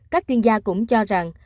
các chuyên gia cũng cho rằng